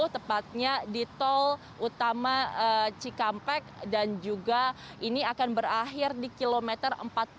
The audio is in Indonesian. tepatnya di tol utama cikampek dan juga ini akan berakhir di kilometer empat puluh